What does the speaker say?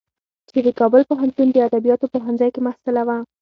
چې د کابل پوهنتون د ادبیاتو پوهنځی کې محصله وه.